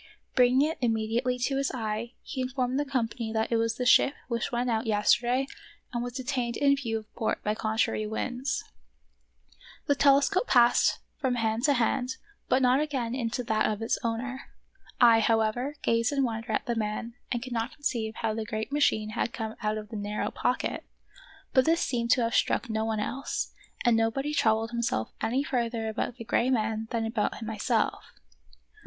Bringing it immediately to his eye, he informed the company that it was the ship which went out yesterday and was detained in view of port by contrary winds. The telescope passed from hand ^ An example of the impoliteness often practiced in polite society. 6 The Wonderful History to hand, but not again into that of its owner. I, however, gazed in wonder at the man and could not conceive how the great machine had come out of the narrow pocket ; but this seemed to have struck no one else, and nobody troubled himself any further about the gray man than about myself.